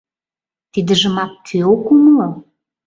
Тидыжымак кӧ ок умыло?